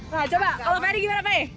nah coba kalau fadi gimana fadi